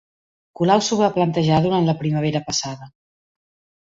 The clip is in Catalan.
Colau s'ho va plantejar durant la primavera passada